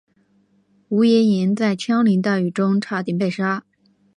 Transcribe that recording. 吴廷琰在枪林弹雨中差点被杀。